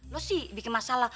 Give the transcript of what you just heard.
lo sih bikin masalah